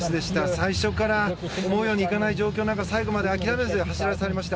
最初から思うようにいかない状況の中最後まで諦めず走られました。